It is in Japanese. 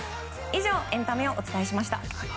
以上、エンタメをお伝えしました。